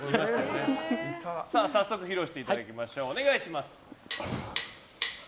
早速披露していただきましょう。